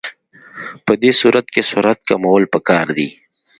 په دې صورت کې سرعت کمول پکار دي